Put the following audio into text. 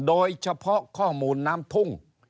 โดยเฉพาะข้อมูลน้ำทุ่ง